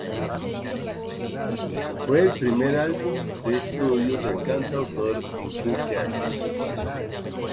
Fue el primer álbum de estudio del cantautor en quince años.